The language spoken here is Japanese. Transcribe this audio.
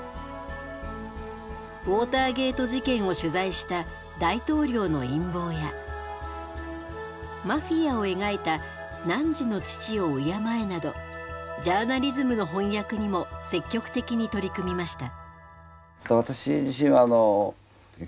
ウォーターゲート事件を取材した「大統領の陰謀」やマフィアを描いた「汝の父を敬え」などジャーナリズムの翻訳にも積極的に取り組みました。